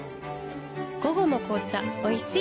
午後の紅茶おいしい